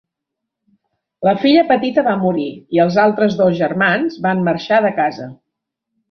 La filla petita va morir i els altres dos germans van marxar de casa.